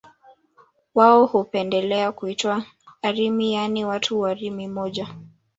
wao hupendelea kuitwa Arimi yaani watu wa Rimi moja